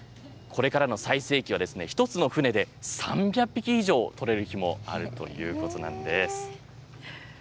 これからの最盛期は、１つの船で３００匹以上取れる日もあるということなんです。